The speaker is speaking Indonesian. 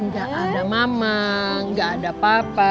gak ada mama gak ada papa